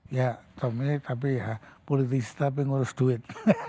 ya tommy tapi ya politisi tapi ngurus duit